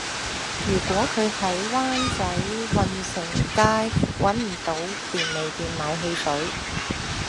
如果佢喺灣仔運盛街搵唔到便利店買汽水